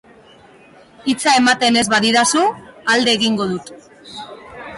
Hitza ematen ez badidazu, alde egingo dut.